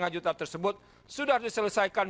tujuh belas lima juta tersebut sudah diselesaikan